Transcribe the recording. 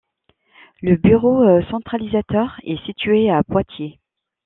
Le bureau centralisateur est situé à Poitiers.